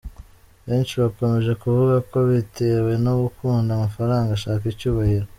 Benshi bakomeje kuvuga ko yabitewe no gukunda amafaranga ashaka icyubahiro.